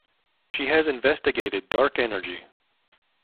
She has investigated dark energy.